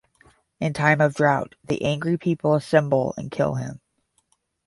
In time of drought, the angry people assemble and kill him.